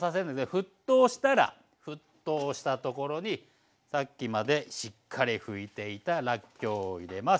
沸騰したら沸騰したところにさっきまでしっかり拭いていたらっきょうを入れます。